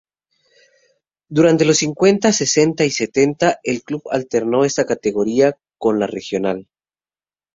Durante los cincuenta, sesenta y setenta el club alternó esta categoría con la Regional.